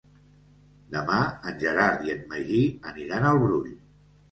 Demà en Gerard i en Magí aniran al Brull.